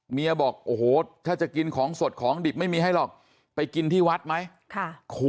บอกโอ้โหถ้าจะกินของสดของดิบไม่มีให้หรอกไปกินที่วัดไหม